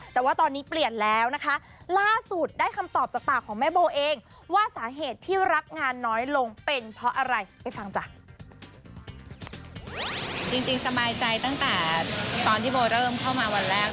จริงสบายใจตั้งแต่ตอนที่โบเริ่มเข้ามาวันแรก